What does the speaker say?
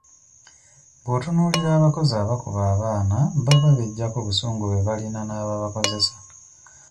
Bw'otunuulira abakozi abakuba abaana baba beggyako busungu bwe balina n'ababakozesa.